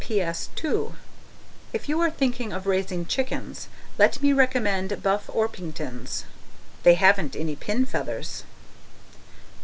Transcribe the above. PS. (2) If you are thinking of raising chickens, let me recommend Buff Orpingtons. They haven't any pin feathers.